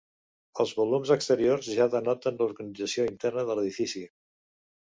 Els volums exteriors ja denoten l'organització interna de l'edifici.